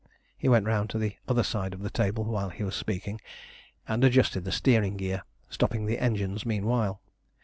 He went round to the other side of the table while he was speaking, and adjusted the steering gear, stopping the engines meanwhile.